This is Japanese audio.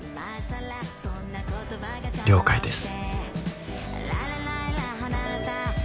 了解です。